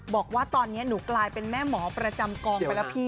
บอกว่าตอนนี้หนูกลายเป็นแม่หมอประจำกองไปแล้วพี่